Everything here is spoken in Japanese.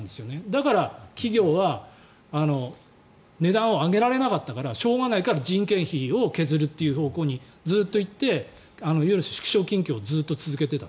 だから、企業は値段を上げられなかったからしょうがないから人件費を削るという方向にずっと行って縮小をずっと続けてきた。